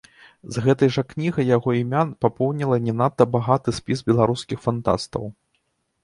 З гэтай жа кнігай яго імя папоўніла не надта багаты спіс беларускіх фантастаў.